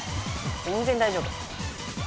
全然大丈夫。